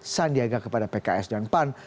sandiaga kepada pks dan pan